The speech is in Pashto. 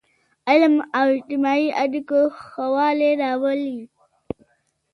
علم د اجتماعي اړیکو ښهوالی راولي.